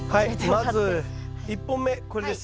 まず１本目これです。